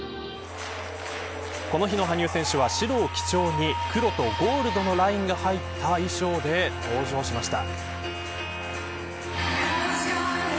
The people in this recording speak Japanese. この日の羽生選手は白を基調に黒とゴールドのラインが入った衣装で登場しました。